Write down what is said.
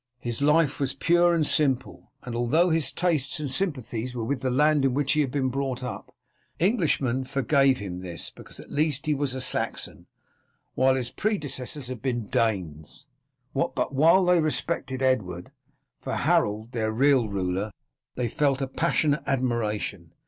His life was pure and simple, and although all his tastes and sympathies were with the land in which he had been brought up, Englishmen forgave him this because at least he was a Saxon, while his predecessors had been Danes. But while they respected Edward, for Harold, their real ruler, they felt a passionate admiration.